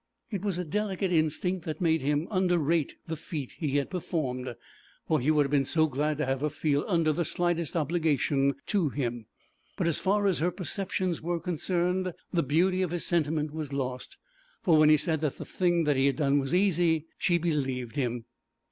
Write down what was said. It was a delicate instinct that made him underrate the feat he had performed, for he would have been so glad to have her feel under the slightest obligation to him; but as far as her perceptions were concerned, the beauty of his sentiment was lost, for when he said that the thing that he had done was easy, she believed him.